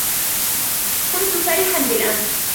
كنت فرِحًا بالأمس.